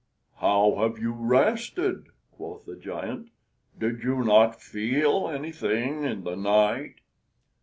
"How have you rested?" quoth the giant; "did you not feel anything in the night?"